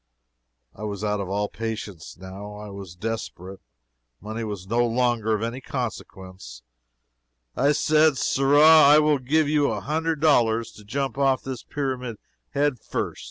I was out of all patience, now. I was desperate. Money was no longer of any consequence. I said, "Sirrah, I will give you a hundred dollars to jump off this pyramid head first.